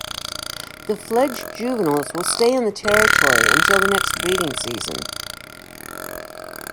The fledged juveniles will stay in the territory until the next breeding season.